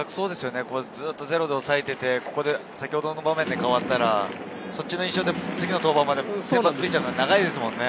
ずっとゼロで抑えていてここで先ほどの場面で代わったら、そっちの印象で次の登板まで長いですもんね。